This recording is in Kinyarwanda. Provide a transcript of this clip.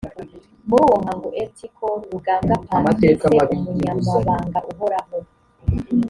muri uwo muhango lt col rugambwa patrice umunyamabanga uhoraho